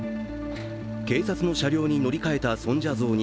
警察の車両に乗り換えた尊者像に、。